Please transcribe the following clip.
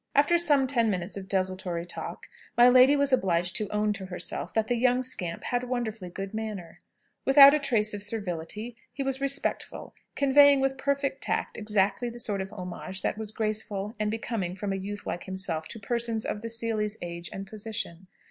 After some ten minutes of desultory talk, my lady was obliged to own to herself that the "young scamp" had a wonderfully good manner. Without a trace of servility, he was respectful; conveying, with perfect tact, exactly the sort of homage that was graceful and becoming from a youth like himself to persons of the Seelys' age and position.